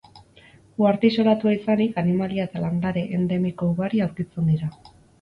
Uharte isolatua izanik, animalia eta landare endemiko ugari aurkitzen dira.